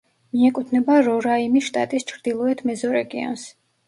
მიეკუთვნება რორაიმის შტატის ჩრდილოეთ მეზორეგიონს.